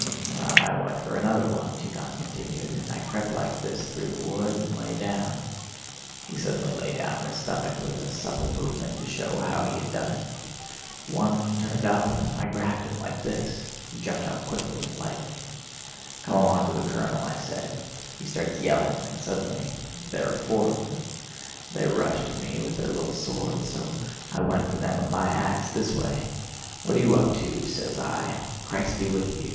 "I went for another one," Tíkhon continued, "and I crept like this through the wood and lay down." (He suddenly lay down on his stomach with a supple movement to show how he had done it.) "One turned up and I grabbed him, like this." (He jumped up quickly and lightly.) "'Come along to the colonel,' I said. He starts yelling, and suddenly there were four of them. They rushed at me with their little swords. So I went for them with my ax, this way: 'What are you up to?' says I. 'Christ be with you!